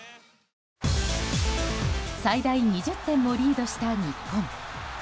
最大２０点もリードした日本。